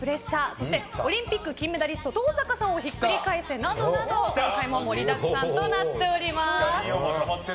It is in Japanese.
そしてオリンピック金メダリスト登坂さんをひっくり返せなど今回も盛りだくさんとなっています。